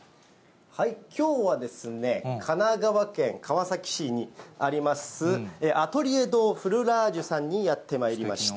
きょうはですね、神奈川県川崎市にあります、アトリエ・ド・フルラージュさんにやってまいりました。